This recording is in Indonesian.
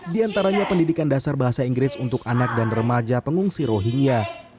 di antaranya pendidikan dasar bahasa inggris untuk anak dan remaja pengungsi rohingya